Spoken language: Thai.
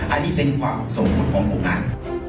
อันนี้เป็นความสงคมครองหูภาค